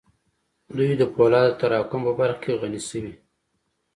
دوی د پولادو د تراکم په برخه کې غني شوې